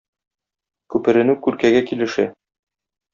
Күперенү күркәгә килешә.